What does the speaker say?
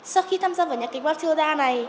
sau khi tham gia vào nhà kịch web chương gia này